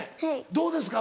どうですか？